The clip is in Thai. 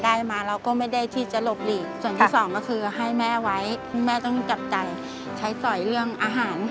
ค่ะวงลิเกย์นะคะตอนนี้ก็ขวัญประชาสีประจันนะคะ